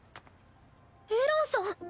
エランさん。